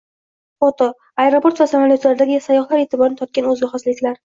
Foto: Aeroport va samolyotlardagi sayyohlar e’tiborini tortgan o‘ziga xosliklar